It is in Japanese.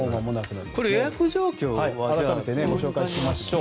予約状況を改めてご紹介しましょう。